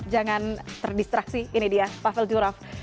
jangan terdistraksi ini dia pavel durov